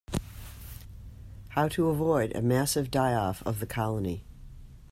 How to avoid a massive die-off of the colony.